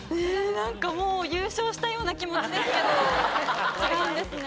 なんかもう優勝したような気持ちですけど違うんですね。